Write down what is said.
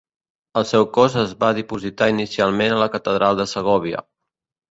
El seu cos va ser depositat inicialment a la catedral de Segòvia.